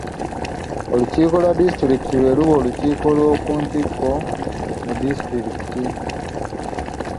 Olukiiko lwa disitulikiti lwe luba olukiiko olw'oku ntikko mu disitulikiti.